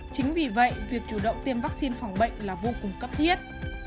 chính vì vậy việc chủ động tiêm vaccine phòng bệnh là vô cùng cấp thiết